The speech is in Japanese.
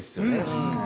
確かに。